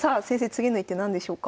次の一手何でしょうか？